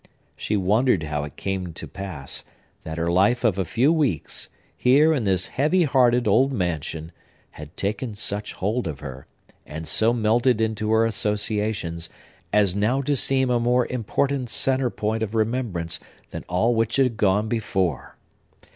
She wondered how it came to pass, that her life of a few weeks, here in this heavy hearted old mansion, had taken such hold of her, and so melted into her associations, as now to seem a more important centre point of remembrance than all which had gone before.